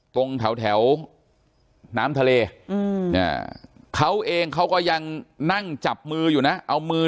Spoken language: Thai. ตรงแถวน้ำทะเลเขาเองเขาก็ยังนั่งจับมืออยู่นะเอามือ